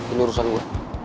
ini urusan gue